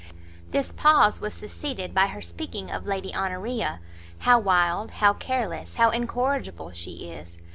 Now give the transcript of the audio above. This pause was succeeded by her speaking of Lady Honoria; "how wild, how careless, how incorrigible she is!